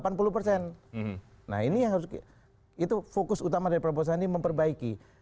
nah ini yang harus itu fokus utama dari prabowo sandi memperbaiki